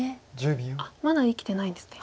まだ生きてないんですね。